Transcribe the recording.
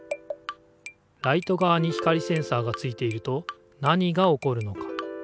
ライトがわに光センサーがついていると何がおこるのか？